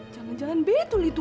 jangan jangan betul itu